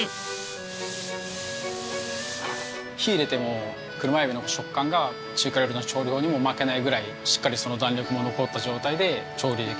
火入れても車エビの食感が中華料理の調理法にも負けないぐらいしっかりその弾力も残った状態で調理できるので。